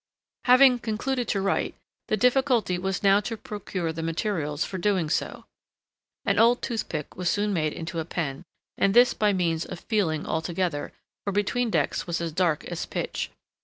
Having concluded to write, the difficulty was now to procure the materials for so doing. An old toothpick was soon made into a pen; and this by means of feeling altogether, for the between decks was as dark as pitch.